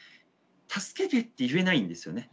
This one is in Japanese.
「助けて」って言えないんですよね。